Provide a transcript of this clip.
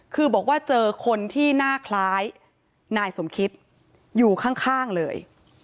คือบอกว่าเจอคนที่หน้าคล้ายนายสมคิตอยู่ข้างเลย